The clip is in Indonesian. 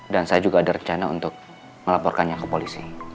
dan saya juga ada rencana untuk melaporkannya ke polisi